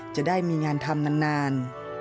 จะได้มีงานทำนาน